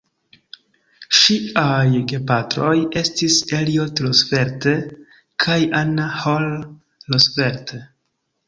Ŝiaj gepatroj estis Elliott Roosevelt kaj Anna Hall Roosevelt.